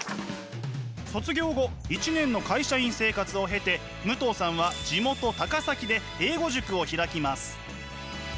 卒業後１年の会社員生活を経て武藤さんは地元高崎で英語塾を開きます。